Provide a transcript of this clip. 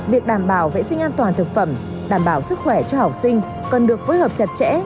việc đảm bảo vệ sinh an toàn thực phẩm đảm bảo sức khỏe cho học sinh cần được phối hợp chặt chẽ